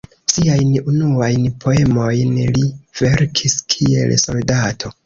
Siajn unuajn poemojn li verkis kiel soldato.